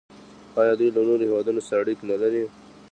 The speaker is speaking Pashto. آیا دوی له نورو هیوادونو سره اړیکې نلري؟